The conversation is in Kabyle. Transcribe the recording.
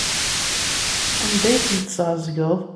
Anda ay ten-tesɛeẓgeḍ?